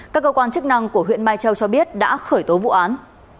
các cơ quan chức năng của huyện mai châu cho biết đã khởi tố vụ án